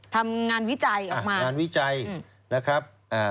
ทำงานวิจัยออกมางานวิจัยนะครับ